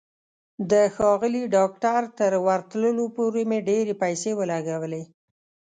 د ښاغلي ډاکټر تر ورتلو پورې مې ډېرې پیسې ولګولې.